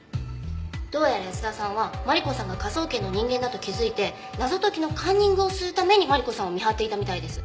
どうやら保田さんはマリコさんが科捜研の人間だと気づいて謎解きのカンニングをするためにマリコさんを見張っていたみたいです。